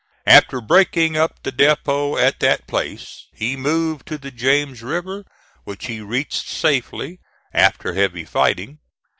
After breaking up the depot at that place, he moved to the James River, which he reached safely after heavy fighting.